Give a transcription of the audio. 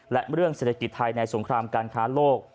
และเรื่องเศรษฐกิจไทยในสงครามการค้าโลก